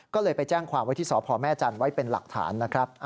ก็เลยไปแจ้งความไว้ที่สพแม่จันทร์ไว้เป็นหลักฐานนะครับ